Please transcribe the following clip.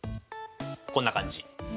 こんな感じ。